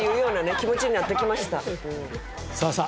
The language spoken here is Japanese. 気持ちになってきましたさあさあ